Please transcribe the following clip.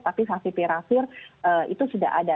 tapi vaksin tirafir itu sudah ada